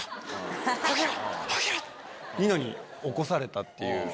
ニノに起こされたっていう。